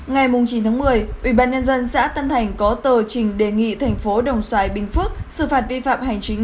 ngày chín tháng một mươi ubnd xã tân thành có tờ trình đề nghị thành phố đồng xoài bình phước xử phạt vi phạm hành chính